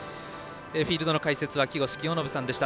フィールドの解説は木越清信さんでした。